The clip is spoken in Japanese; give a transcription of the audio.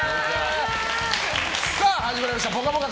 始まりました「ぽかぽか」